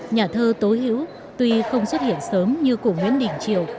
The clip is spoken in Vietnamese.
nhà thơ tố hữu tuy không xuất hiện sớm như của nguyễn đình triệu